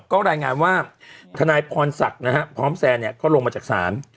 ก็รายงานว่าทนายพรศักดิ์นะฮะพร้อมแซนเนี่ยก็ลงมาจากศาล